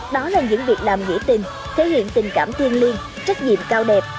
đó là những việc làm nghĩa tình thể hiện tình cảm thiên liên trách nhiệm cao đẹp